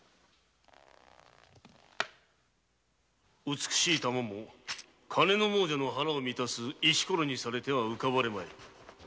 美しい玉も金の亡者の腹を満たす石ころにされては浮かばれまい。